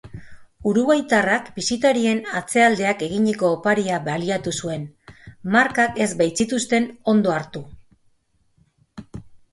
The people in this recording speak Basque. Uruguaitarrak bisitarien atzealdeak eginiko oparia baliatu zuen, markak ez baitzituzten ondo hartu.